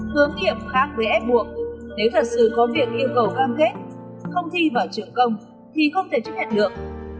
hướng nghiệp khác với ép buộc nếu thật sự có việc yêu cầu cam kết không thi vào trường công thì không thể chấp nhận được